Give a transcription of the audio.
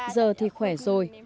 giờ thì khỏe rồi